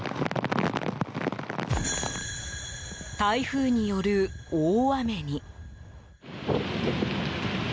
台風による大雨に。